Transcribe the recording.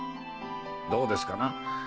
どうですかな？